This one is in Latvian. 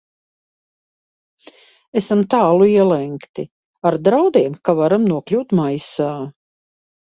Esam tālu ielenkti, ar draudiem, ka varam nokļūt maisā.